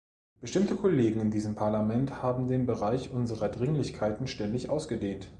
Bestimmte Kollegen in diesem Parlament haben den Bereich unserer Dringlichkeiten ständig ausgedehnt.